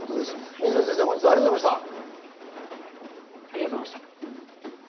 水野先生、ありがとうございました。